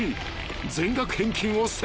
［全額返金を迫る］